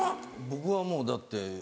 僕はもうだって。